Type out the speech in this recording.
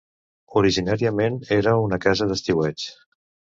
Originàriament era una casa d'estiueig.